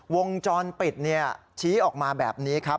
วงจรปิดชี้ออกมาแบบนี้ครับ